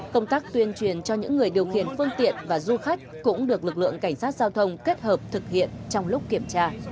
công tác tuyên truyền cho những người điều khiển phương tiện và du khách cũng được lực lượng cảnh sát giao thông kết hợp thực hiện trong lúc kiểm tra